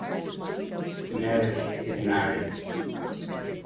Emmerich is married.